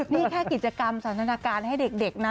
นี่แค่กิจกรรมสันทนาการให้เด็กนะ